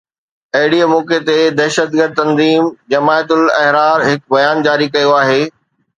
اهڙي موقعي تي دهشتگرد تنظيم جماعت الاحرار هڪ بيان جاري ڪيو آهي